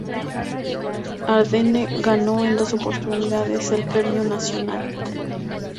Ardenne ganó en dos oportunidades el Premio Nacional.